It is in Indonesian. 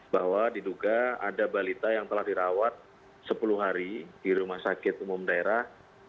bahwa diduga ada balita yang telah dirawat sepuluh hari di rumah sakit umum daerah